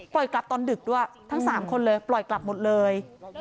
กลับตอนดึกด้วยทั้ง๓คนเลยปล่อยกลับหมดเลย